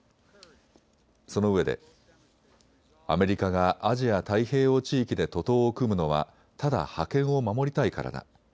そのうえでアメリカがアジア太平洋地域で徒党を組むのはただ覇権を守りたいからだ。